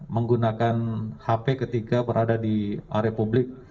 menggunakan hp ketika berada di area publik